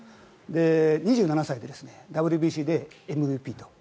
２７歳でＷＢＣでＭＶＰと。